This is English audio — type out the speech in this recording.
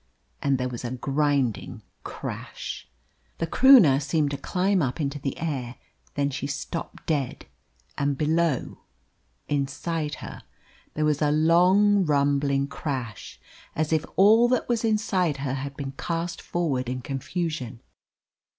And there was a grinding crash. The Croonah seemed to climb up into the air, then she stopped dead, and below inside her there was a long, rumbling crash, as if all that was inside her had been cast forward in confusion.